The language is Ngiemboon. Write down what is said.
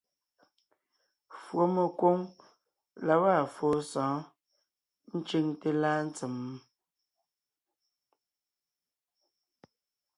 Fùɔmekwoŋ la gwaa fóo sɔ̌ɔn ncʉŋte láa ntsèm?